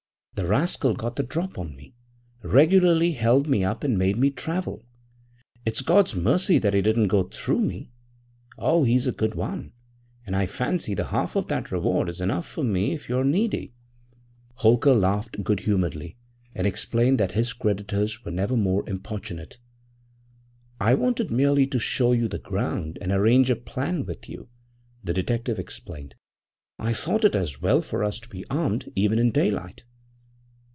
The rascal got the drop on me regularly held me up and made me travel. It's God's mercy that he didn't go through me. Oh, he's a good one, and I fancy the half of that reward is enough for me if you're needy.' Holker laughed good humouredly, and explained that his creditors were never more importunate. 'I wanted merely to show you the ground, and arrange a plan with you,' the detective explained. 'I thought it as well for us to be armed, even in daylight.'